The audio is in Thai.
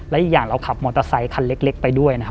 และอีกอย่างเราขับมอเตอร์ไซคันเล็กไปด้วยนะครับ